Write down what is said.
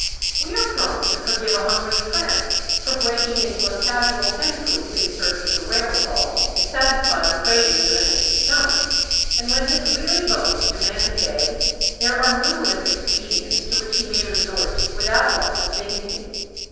We are prone to forgive a hungry tramp for breaking into a casual hencoop in search of the wherewithal to satisfy the cravings of an empty stomach, and when his weary bones demand a bed there are numerous expedients to which he may resort without loss of dignity.